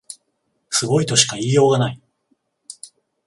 すごいとしか言いようがない